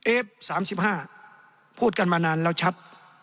เอฟสามสิบห้าพูดกันมานานแล้วชัด